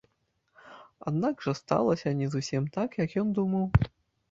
Аднак жа сталася не зусім так, як ён думаў.